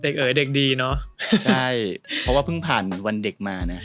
เอ๋ยเด็กดีเนอะใช่เพราะว่าเพิ่งผ่านวันเด็กมานะ